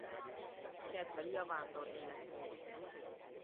Kedveli a vándor életmódot.